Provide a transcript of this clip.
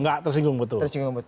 nggak tersinggung betul